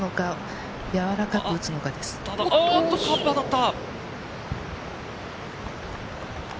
カップに当たった！